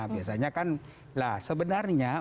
biasanya kan sebenarnya